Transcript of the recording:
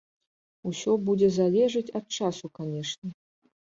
Усё будзе залежыць ад часу, канешне.